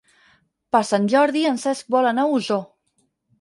Per Sant Jordi en Cesc vol anar a Osor.